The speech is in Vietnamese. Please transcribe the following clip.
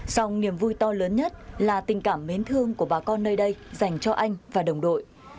song niềm vui to lớn nhất là tình cảm mến thương của bà con nơi đây dành cho anh và đồng đội